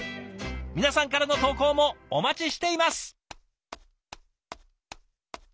皆さんからの投稿もお待ちしています。